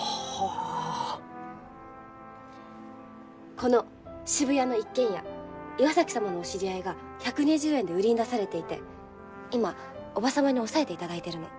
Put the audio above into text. この渋谷の一軒家岩崎様のお知り合いが１２０円で売りに出されていて今叔母様に押さえていただいてるの。